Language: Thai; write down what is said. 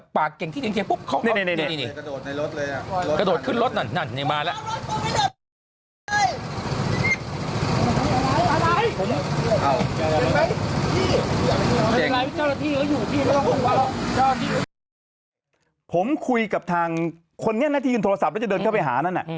ผมคุยกับทางคนนี้นะที่ยืนโทรศัพท์แล้วจะเดินเข้าไปหานั่น